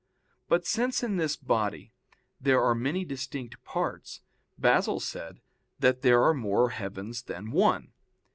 But since in this body there are many distinct parts, Basil said that there are more heavens than one.